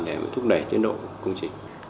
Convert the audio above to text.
để thúc đẩy tiến độ công trình